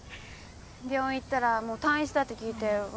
病院行ったらもう退院したって聞いてう